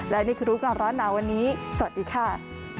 และนี่คือรู้ก่อนร้อนหนาวันนี้สวัสดีค่ะ